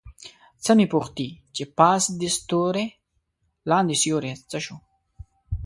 څه مې پوښتې چې پاس دې ستوری لاندې سیوری څه شو؟